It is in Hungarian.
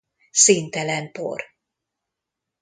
Színtelen por.